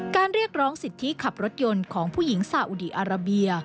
เรียกร้องสิทธิขับรถยนต์ของผู้หญิงสาอุดีอาราเบีย